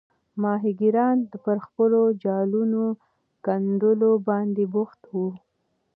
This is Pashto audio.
ماهیګیران پر خپلو جالونو ګنډلو باندې بوخت وو.